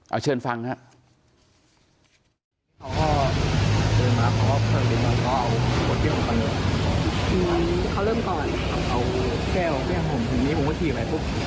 เอาเชิญฟังฮะ